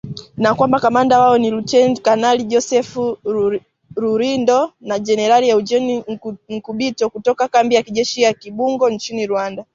Na kwamba kamanda wao ni Luteini kanali Joseph Rurindo na Generali Eugene Nkubito, kutoka kambi ya kijeshi ya Kibungo nchini Rwanda